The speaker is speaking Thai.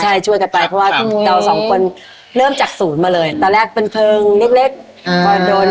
ใช่ช่วยกันไปเพราะว่าเราสองคนเริ่มจากศูนย์มาเลย